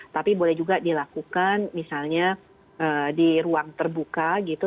tapi boleh juga dilakukan misalnya di ruang terbuka gitu